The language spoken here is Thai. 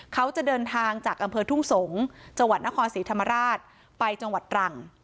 เขาจะเดินทางจากอำเภอทุ่งสงศ์จังหวัดนครศรีธรรมราชไปจังหวัดตรัง